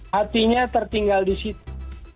hatinya tertinggal di situ